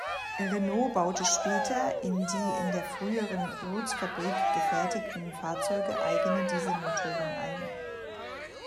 Renault baute später in die in der früheren Rootes-Fabrik gefertigten Fahrzeuge eigene Dieselmotoren ein.